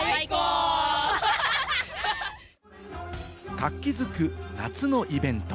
活気づく夏のイベント。